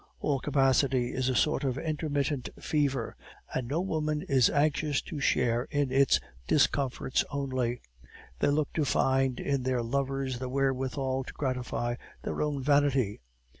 All capacity is a sort of intermittent fever, and no woman is anxious to share in its discomforts only; they look to find in their lovers the wherewithal to gratify their own vanity.